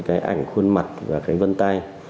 cái ảnh khuôn mặt và cái vân tay